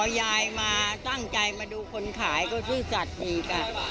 ยายมาตั้งใจมาดูคนขายก็ซื่อสัตว์ดีจ้ะ